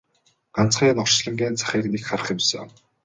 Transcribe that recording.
Ганцхан энэ орчлонгийн захыг нэг харах юмсан!